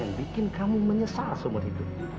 yang bikin kamu menyesal seumur hidup